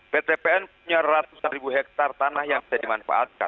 ptpn punya ratusan ribu hektar tanah yang bisa dimanfaatkan